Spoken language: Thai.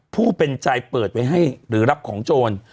ผู้เป็นใจเปิดไว้ให้หรือรับของโจร